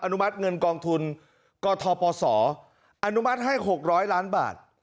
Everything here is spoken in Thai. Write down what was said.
นุมัติเงินกองทุนกทปศอนุมัติให้๖๐๐ล้านบาท